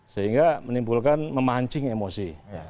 sehingga menimbulkan memancing emosi